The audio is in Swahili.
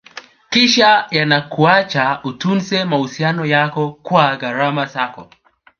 kisha yanakuacha utunze mahusiano yako kwa gharama zako